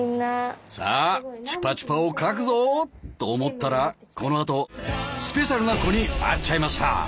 さあチュパチュパを描くぞ！と思ったらこのあとスペシャルな子に会っちゃいました！